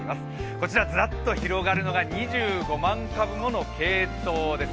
こちらずらっと広がるのが２５万株ものケイトウです。